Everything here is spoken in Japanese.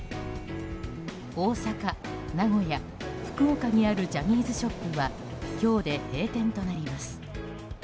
大阪、名古屋、福岡にあるジャニーズショップは今日で閉店となります。